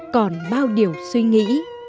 còn bao điều suy nghĩ